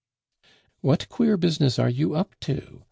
"What queer business are you up to?"